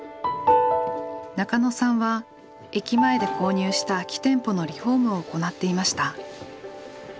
中野さんは駅前で購入した空き店舗のリフォームを行っていました。